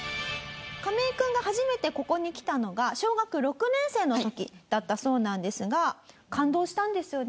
カメイ君が初めてここに来たのが小学６年生の時だったそうなんですが感動したんですよね？